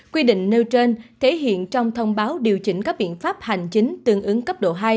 quy định nêu trên thể hiện trong thông báo điều chỉnh các biện pháp hành chính tương ứng cấp độ hai